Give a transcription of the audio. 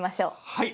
はい。